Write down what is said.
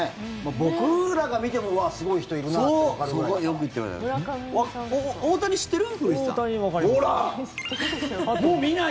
僕らが見てもうわ、すごい人いるなってわかるくらい。